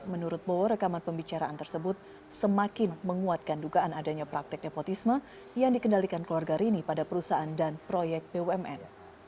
menurut bowo rekaman pembicaraan tersebut semakin menguatkan dugaan adanya praktek nepotisme yang dikendalikan keluarga rini pada perusahaan dan proyek bumn